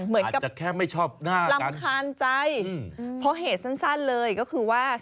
เหมือนกับรำคาญใจเพราะเหตุสั้นเลยก็คือว่า